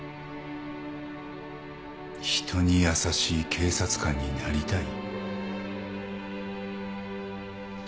人に優しい警察官になりたい。